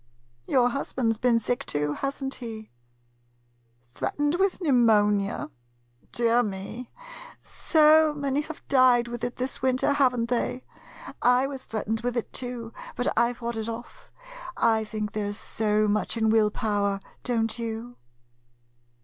Your husband 's been sick too, has n't he? Threatened with pneumonia? Dear me! — so many have died with it this winter, have n't they ? I was threatened with it too, but I fought it off. I think there 's so much in will power, don't you